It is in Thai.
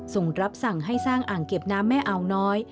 ส่งรับสั่งให้สร้างอ่างเก็บน้ำแม่อาวน้อย